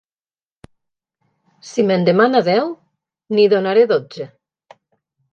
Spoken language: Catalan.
Si me'n demana deu, n'hi donaré dotze.